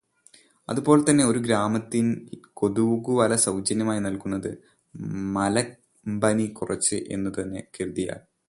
അതുപോലെതന്നെ, ഒരു ഗ്രാമത്തിൽ കൊതുകുവല സൗജന്യമായി നൽകുന്നത് മലമ്പനി കുറച്ചു എന്നുതന്നെ കരുതിയാൽ